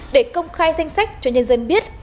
để công khai danh sách cho nhân dân biết